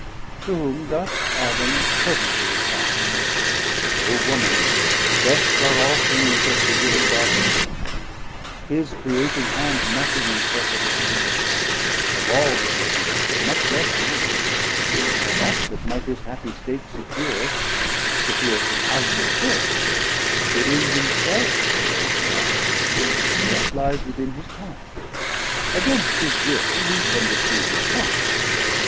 To whom thus Adam fervently repli'd. O Woman, best are all things as the will Of God ordaind them, his creating hand Nothing imperfet or deficient left Of all that he Created, much less Man, Or ought that might his happie State secure, Secure from outward force; within himself The danger lies, yet lies within his power: Against his will he can receave no harme.